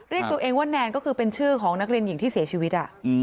เรียกตัวเองว่าแนนก็คือเป็นชื่อของนักเรียนหญิงที่เสียชีวิต